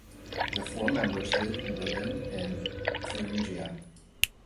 The four members live in Berlin and Thuringia.